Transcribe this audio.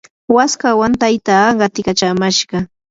waskawan taytaa qatikachamashqa.